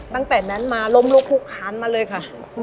ตั้งแต่นั้นมาล้มลุกคุกค้านมาเลยค่ะ